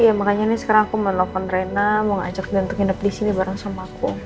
ya makanya nih sekarang aku mau nelfon rena mau ngajak dia untuk hidup di sini bareng sama aku